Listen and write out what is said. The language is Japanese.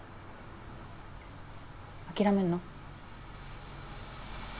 諦めるの？